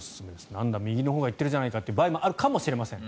なんだ右のほうが行ってるじゃないかという場合もあるかもしれません。